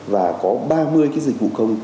và có ba mươi dịch vụ công